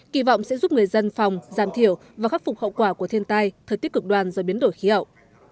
kỳ vọng sẽ giúp người dân phòng giảm thiểu và khắc phục hậu quả của thiên tai thời tiết cực đoan do biến đổi khí hậu